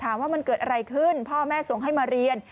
ว่ามันเกิดอะไรขึ้นพ่อแม่ส่งให้มาเรียน